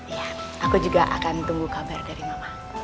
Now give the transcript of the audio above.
iya aku juga akan tunggu kabar dari mama